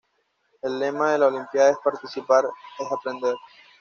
El lema de la olimpiada es "Participar es aprender".